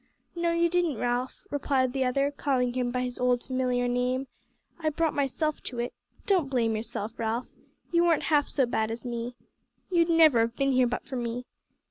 "No, you didn't, Ralph," replied the other, calling him by his old familiar name, "I brought myself to it. Don't blame yourself, Ralph; you weren't half so bad as me. You'd never have been here but for me.